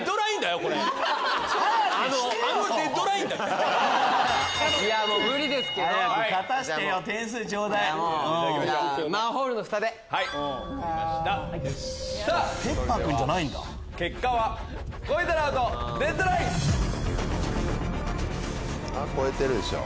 これは超えてるでしょ。